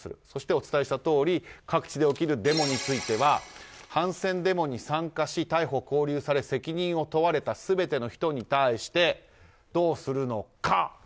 そしてお伝えしたとおり各地で起こるデモについては反戦デモに参加し逮捕・勾留され責任を問われた全ての人に対してどうするのか。